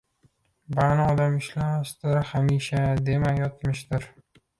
Bani odam ishlamishdir hamisha, dema yotmishdir